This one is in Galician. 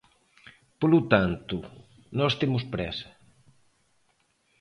Polo tanto, nós temos présa.